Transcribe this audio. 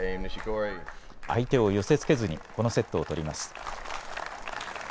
相手を寄せつけずにこのセットを取ります。